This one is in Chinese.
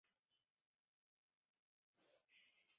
首任县长王成文。